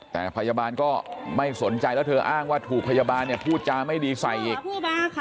แต่พยาบาลก็ไม่สนใจแล้วเธออ้างว่าถูกพยาบาลเนี่ยพูดจาไม่ดีใส่อีก